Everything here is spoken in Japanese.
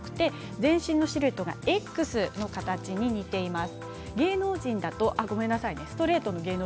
全身のシルエットがＸの形に似ています。